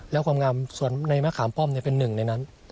แล้วความงามส่วนในมะขามป้อมเป็นหนึ่งในนั้น